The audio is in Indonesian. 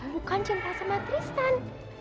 bukan cinta sama tristan